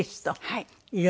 はい。